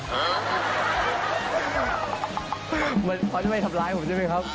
เหมือนเขาจะไม่ทำร้ายผมใช่ไหมครับ